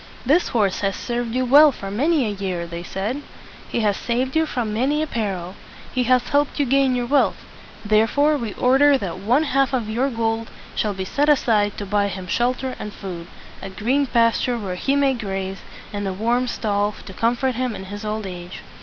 "This horse has served you well for many a year," they said. "He has saved you from many a peril. He has helped you gain your wealth. Therefore we order that one half of all your gold shall be set aside to buy him shelter and food, a green pasture where he may graze, and a warm stall to comfort him in his old age."